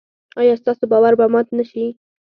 ایا ستاسو باور به مات نشي؟